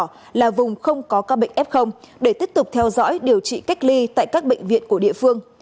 vùng đỏ là vùng không có các bệnh f để tiếp tục theo dõi điều trị cách ly tại các bệnh viện của địa phương